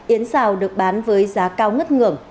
yến xào được bán với giá cao ngất ngưỡng